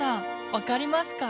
分かりますか？